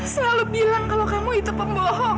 selalu bilang kalau kamu itu pembohong